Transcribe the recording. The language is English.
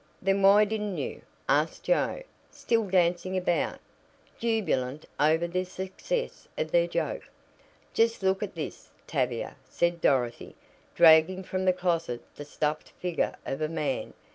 "Then why didn't you?" asked Joe, still dancing about; jubilant over the success of their joke. "Just look at this, Tavia," said Dorothy, dragging from the closet the stuffed figure of a man.